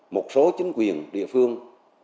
một số chính quyền địa phương